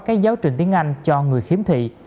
cái giáo trình tiếng anh cho người khiếm thị